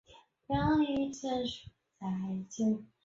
亦是当别町最北的车站。